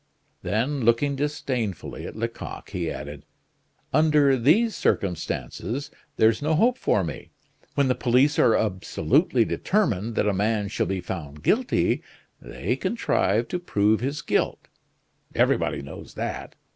Then, looking disdainfully at Lecoq, he added: "Under these circumstances there's no hope for me. When the police are absolutely determined that a man shall be found guilty, they contrive to prove his guilt; everybody knows that.